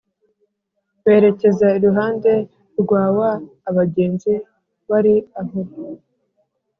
berekeza iruhande rwa wa abagenzi wari aho